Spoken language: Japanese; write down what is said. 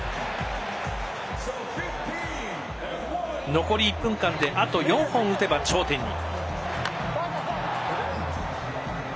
残り１分間であと４本打てば頂点に。